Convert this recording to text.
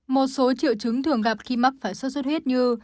một số triệu chứng thường gặp khi mắc phải sốt xuất huyết như